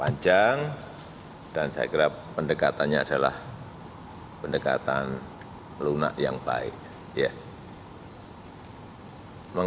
kita akan berbicara banyak mengenai hal hal yang berkaitan dengan perdamaian